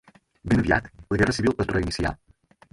Ben aviat la guerra civil es reinicià.